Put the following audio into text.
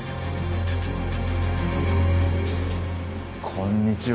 こんにちは。